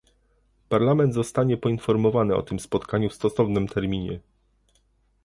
Parlament zostanie poinformowany o tym spotkaniu w stosownym terminie